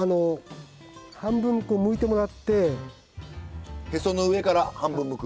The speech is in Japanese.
半分むいてもらって。へその上から半分むく。